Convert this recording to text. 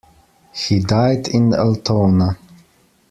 He died in Altona.